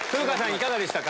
いかがでしたか？